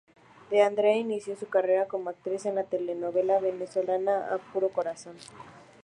De Andrade inició su carrera como actriz en la telenovela venezolana "A puro corazón".